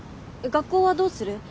学校はどうする？